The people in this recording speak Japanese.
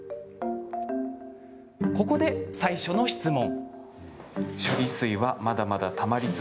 ここで最初の質問。